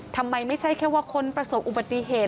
ไม่ใช่แค่ว่าคนประสบอุบัติเหตุ